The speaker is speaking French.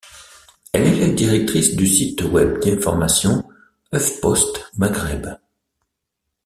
Elle est la directrice du site web d'information HuffPost Maghreb.